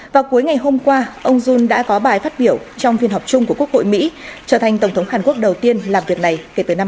và cuối ngày hôm qua ông jun đã có bài phát biểu trong phiên họp chung của quốc hội mỹ trở thành tổng thống hàn quốc đầu tiên làm việc này kể từ năm hai nghìn một mươi ba